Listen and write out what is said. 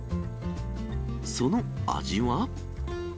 その味は？